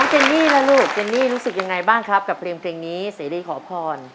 เจนนี่ล่ะลูกเจนนี่รู้สึกยังไงบ้างครับกับเพลงนี้เสรีขอพร